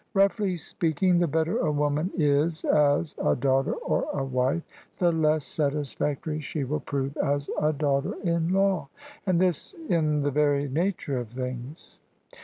Roughly speaking, the better a woman is as [ 170] OF ISABEL CARNABY a daughter or a wife, the less satisfactory she will prove as a daughter in law: and this in the very nature of things.